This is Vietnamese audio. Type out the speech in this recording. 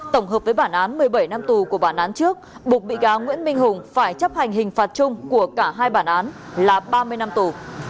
tổng hợp với bản án một mươi bảy năm tù của bản án trước bục bị cáo nguyễn minh hùng phải chấp hành hình phạt chung của cả hai bản án là ba mươi năm tù